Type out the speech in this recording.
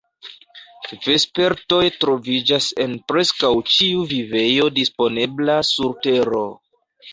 Vespertoj troviĝas en preskaŭ ĉiu vivejo disponebla sur Tero.